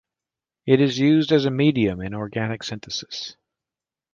It is used as a medium in organic synthesis.